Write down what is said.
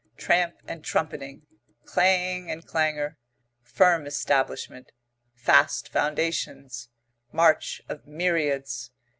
Tramp and trumpeting. Clang and clangour. Firm establishment. Fast foundations. March of myriads.